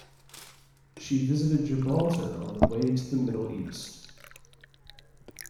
She visited Gibraltar on the way to the Middle East.